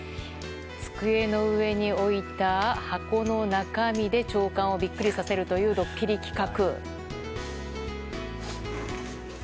机の上に置いた箱の中身で長官をビックリさせるというドッキリ企画。